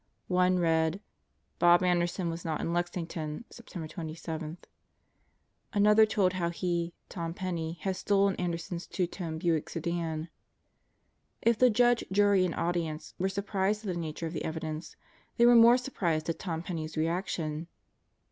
One read: "Bob Anderson was not in Lexington, September 27." Another told how he, Tom Penney, had stolen Anderson's two toned Buick sedan. If the judge, jury, and audience were surprised at the nature of the evidence, they were more surprised at Tom Penney's reaction.